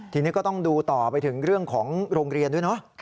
ทีนี้ก็ต้องดูต่อไปถึงเรื่องของโรงเรียนด้วยเนอะ